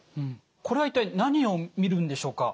これは一体何を見るんでしょうか？